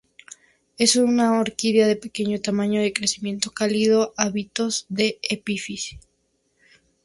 Es una orquídea de pequeño tamaño, de crecimiento cálido con hábitos de epífita.